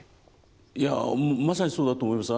いやまさにそうだと思います。